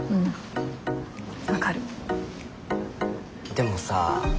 でもさ。